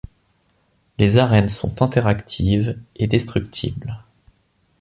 Les arènes sont interactives et destructibles.